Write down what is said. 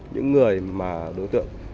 những người mà đối tượng